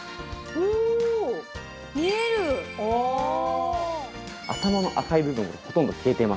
「ああ」頭の赤い部分がほとんど消えています。